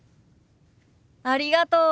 ありがとう！